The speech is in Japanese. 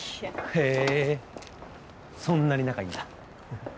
へぇそんなに仲いいんだははっ。